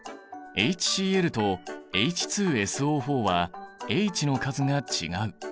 ＨＣｌとＨＳＯはＨの数が違う。